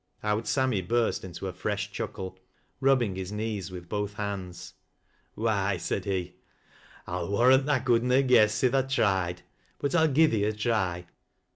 Owd Sammy burst into a fresh chuckle, rubbing hie knees with both hands. " Why," said he, " I'll warrant tha could na guess i' tha tried, but I'll gi'e thee a try.